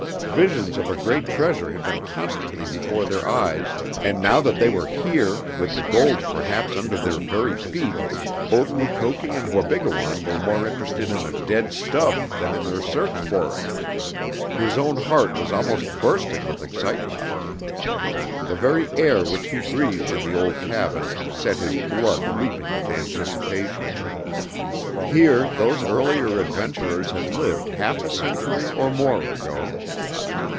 Visions of a great treasure had been constantly before their eyes, and now that they were here, with the gold perhaps under their very feet, both Mukoki and Wabigoon were more interested in a dead stub than in their search for it! His own heart was almost bursting with excitement. The very air which he breathed in the old cabin set his blood leaping with anticipation. Here those earlier adventurers had lived half a century or more ago.